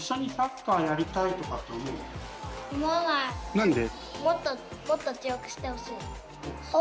なんで？